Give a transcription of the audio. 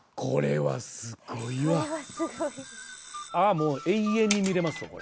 もう永遠に見れますわこれ。